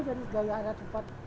jadi gak ada tempat